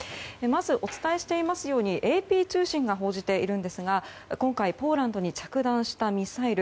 まず、お伝えしていますようにＡＰ通信が報じているんですが今回、ポーランドに着弾したミサイル。